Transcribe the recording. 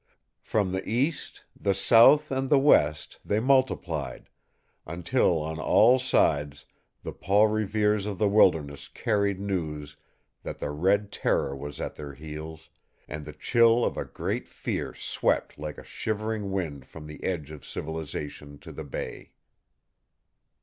From the east, the south and the west they multiplied, until on all sides the Paul Reveres of the wilderness carried news that the Red Terror was at their heels, and the chill of a great fear swept like a shivering wind from the edge of civilization to the bay.